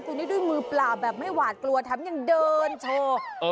พี่เขาดูชิว